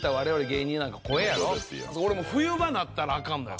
俺もう冬場なったらアカンのよ。